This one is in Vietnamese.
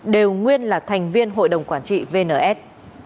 đều nguyên là thành viên hội đồng quản trị vns